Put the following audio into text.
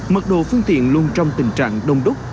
mật độ phương tiện luôn trong tình trạng đông đúc